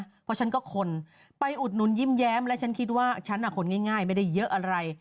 เพราะฉันก็คนไปอุดหนุนยิ้มแย้มและฉันคิดว่าฉันคนง่ายไม่ได้เยอะอะไร